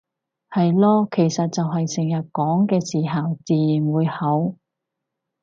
係囉，其實就係成日講嘅時候自然會好